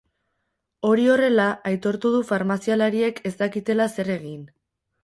Hori horrela, aitortu du farmazialariek ez dakitela zer egin.